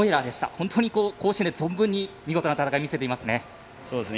本当に甲子園で存分に見事な戦い見せてますね。